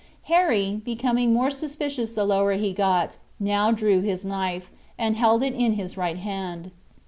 Harry, becoming more suspicious the lower he got, now drew his knife and held it in his right hand.